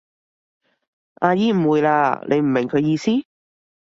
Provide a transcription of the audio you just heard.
阿姨誤會喇，你唔明佢意思？